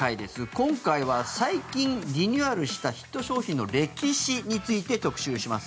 今回は最近リニューアルしたヒット商品の歴史について特集します。